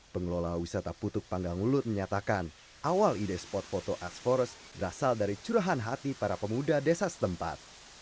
pengelola wisatap kutuk panggangulut menyatakan awal ide spot foto ask forest berasal dari curahan hati para pemuda desa setempat